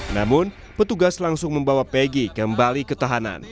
namun petugas langsung membawa peggy kembali ke tahanan